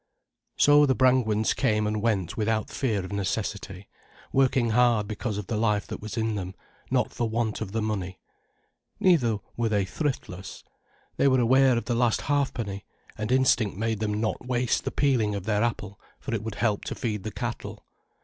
So the Brangwens came and went without fear of necessity, working hard because of the life that was in them, not for want of the money. Neither were they thriftless. They were aware of the last halfpenny, and instinct made them not waste the peeling of their apple, for it would help to feed the cattle.